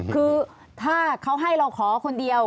คือถ้าเขาให้เราขอคนเดียว